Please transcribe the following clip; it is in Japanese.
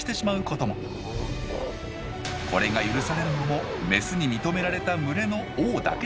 これが許されるのもメスに認められた群れの王だけです。